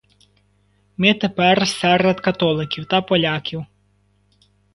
Ми тепер серед католиків та поляків.